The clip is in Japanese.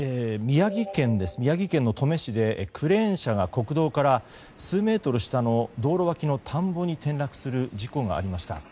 宮城県の登米市でクレーン車が国道から数メートル下の道路脇の田んぼに転落する事故がありました。